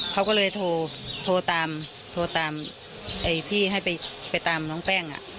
เขาก็เลยโทรโทรตามโทรตามไอ้พี่ให้ไปไปตามน้องแป้งอ่ะ